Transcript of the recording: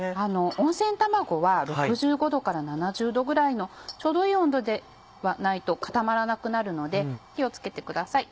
温泉卵は６５℃から７０℃ぐらいのちょうどいい温度でないと固まらなくなるので気を付けてください。